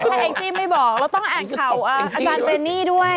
ถ้าแองจี้ไม่บอกเราต้องอ่านข่าวอาจารย์เรนนี่ด้วย